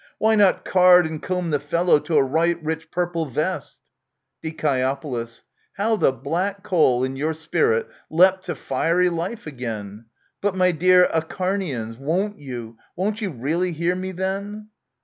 Why not card and comb the fellow to a right rich purple vest ? Die. How the black coal in your spirit leapt to fiery life again ! But, my dear Acharnians, won't you, won't you really hear me then?